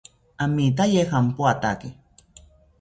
Amitaye jampoatake